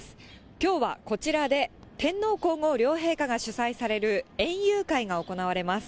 きょうはこちらで天皇皇后両陛下が主催される、園遊会が行われます。